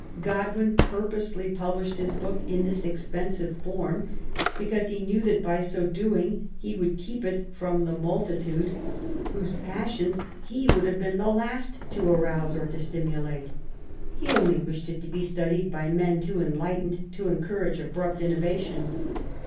*' Godwin purposely published his work in this expensive form because he knew that by so doing he would keep it from the multitude, whose passions he would have been the last to arouse or to stimulate. He only wished it to be studied by men too enlight ened to encourage abrupt innovation.